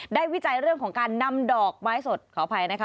วิจัยเรื่องของการนำดอกไม้สดขออภัยนะคะ